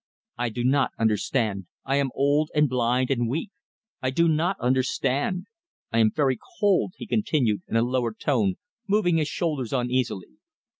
I do not understand. I am old and blind and weak. I do not understand. I am very cold," he continued, in a lower tone, moving his shoulders uneasily.